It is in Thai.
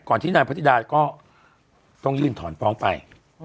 ที่นายพระธิดาก็ต้องยื่นถอนฟ้องไป